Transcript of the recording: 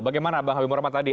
bagaimana bang habibur rahman tadi